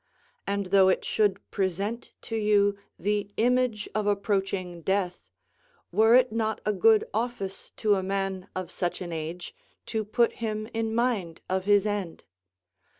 And though it should present to you the image of approaching death, were it not a good office to a man of such an age, to put him in mind of his end?